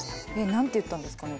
「なんて言ったんですかね？